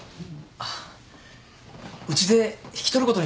あっうちで引き取ることにしたんです。